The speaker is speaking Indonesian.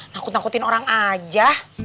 nakut nakutin orang aja